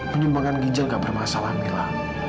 penyumbangan ginjal gak bermasalah mila